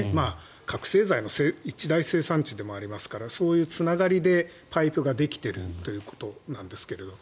覚醒剤の一大生産地でもありますからそういうつながりでパイプができているということなんですけど。